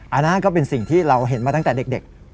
อันนั้นก็เป็นสิ่งที่เราเห็นมาตั้งแต่เด็ก